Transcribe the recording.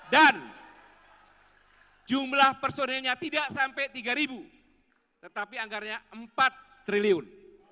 dan jumlah personilnya tidak sampai tiga ribu tetapi anggarnya empat triliun